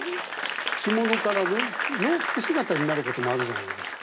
着物からね洋服姿になることもあるじゃないですか。